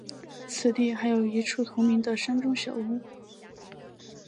此地还有一处同名的山中小屋。